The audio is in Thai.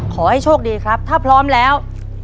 ขอให้โชคดีครับถ้าพร้อมแล้ว